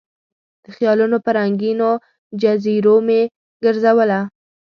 د خیالونو په رنګینو جزیرو مې ګرزوله